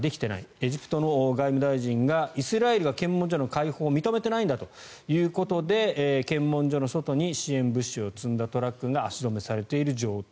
エジプトの外務大臣がイスラエルは検問所の開放を認めてないんだということで検問所の外に支援物資を積んだトラックが足止めされている状態。